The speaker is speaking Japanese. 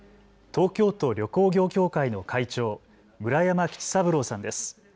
東京都旅行業協会会長の会長、村山吉三郎さんです。